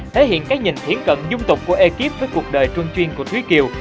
thể hiện cái nhìn thiển cận dung tục của ekip với cuộc đời trung chuyên của thúy kiều